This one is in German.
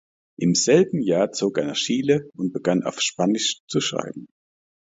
Im selben Jahr zog er nach Chile und begann auf Spanisch zu schreiben.